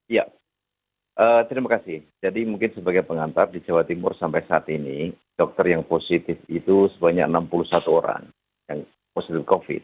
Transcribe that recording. ya terima kasih jadi mungkin sebagai pengantar di jawa timur sampai saat ini dokter yang positif itu sebanyak enam puluh satu orang yang positif covid